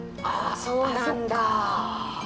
ああそうなんだ。